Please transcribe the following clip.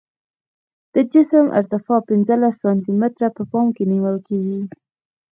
د جسم ارتفاع پنځلس سانتي متره په پام کې نیول کیږي